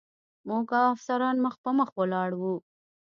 موږ او افسران مخ په مخ ولاړ و.